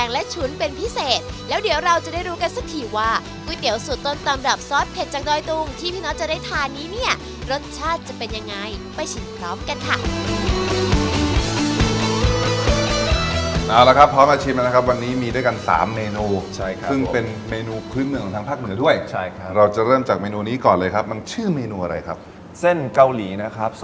แล้วเดี๋ยวเราจะได้รู้กันสักทีว่าก๋วยเตี๋ยวสูตรต้นตำรับซอสเผ็ดจากโดยตุ่งที่พี่น้อจะได้ทานี้เนี่ยรสชาติจะเป็นยังไงไปชิมพร้อมกันค่ะเอาละครับพร้อมมาชิมแล้วนะครับวันนี้มีด้วยกัน๓เมนูครึ่งเป็นเมนูเครื่องเมืองของทางภาคเหนือด้วยเราจะเริ่มจากเมนูนี้ก่อนเลยครับมันชื่อเมนูอะไรครับ